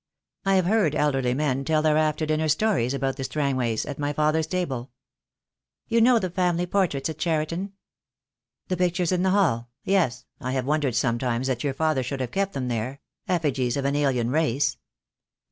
I have heard elderly men tell their after dinner stories about the Strangways at my father's table." "You know the family portraits at Cheriton?" "The pictures in the hall? Yes. I have wondered THE DAY WILL COME. I 6 I sometimes that your father should have kept them there — effigies of an alien race."